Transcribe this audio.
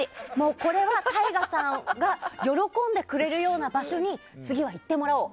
これは、ＴＡＩＧＡさんが喜んでくれるような場所に次は行ってもらおう。